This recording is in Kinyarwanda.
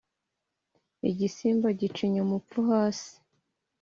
igisimba gicinya umupfu hasi